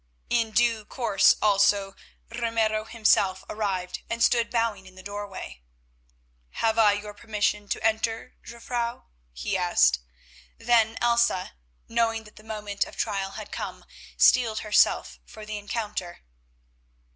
In due course also Ramiro himself arrived, and stood bowing in the doorway. "Have I your permission to enter, Jufvrouw?" he asked. Then Elsa, knowing that the moment of trial had come, steeled herself for the encounter.